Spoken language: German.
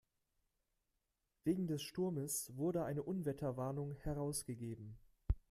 Wegen des Sturmes wurde eine Unwetterwarnung herausgegeben.